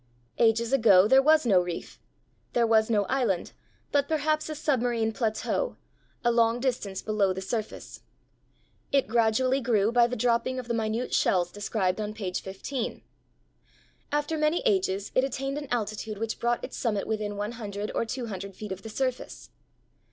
Ages ago there was no reef. There was no island, but perhaps a submarine plateau, a long distance below the surface. It gradually grew by the dropping of the minute shells described on page 15. After many ages it attained an altitude which brought its summit within one hundred or two hundred feet of the surface.